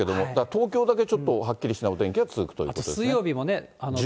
東京だけちょっとはっきりしないお天気が続くということですね。